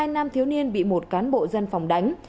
hai nam thiếu niên bị một cán bộ dân phòng đánh